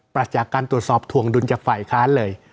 จากการตรวจสอบถวงดุลจากฝ่ายค้านเลย